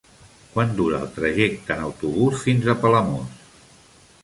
Quant dura el trajecte en autobús fins a Palamós?